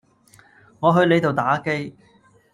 我去你度打機